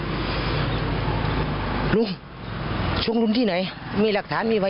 กระทั่งตำรวจก็มาด้วยนะคะ